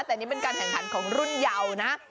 แต่นี่เป็นการแข่งขันของรุ่นเยานะ